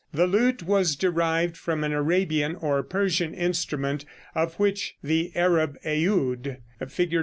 The lute was derived from an Arabian or Persian instrument, of which the Arab eoud, Fig.